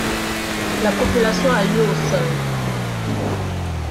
La copulation a lieu au sol.